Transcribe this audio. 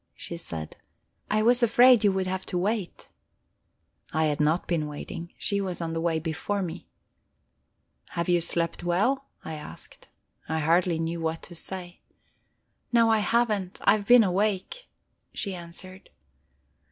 she said. "I was afraid you would have to wait." I had not been waiting; she was on the way before me. "Have you slept well?" I asked. I hardly knew what to say. "No, I haven't. I have been awake," she answered.